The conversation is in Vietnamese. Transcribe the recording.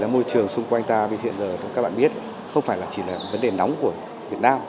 môi trường xung quanh ta bây giờ các bạn biết không phải chỉ là vấn đề nóng của việt nam